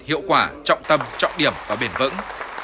hiệu quả trọng tâm trọng điểm và bền vững